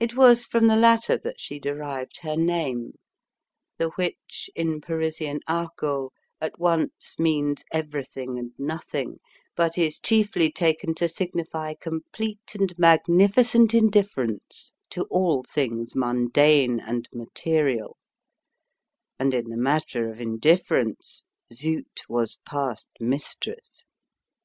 It was from the latter that she derived her name, the which, in Parisian argot, at once means everything and nothing, but is chiefly taken to signify complete and magnificent indifference to all things mundane and material: and in the matter of indifference Zut was past mistress.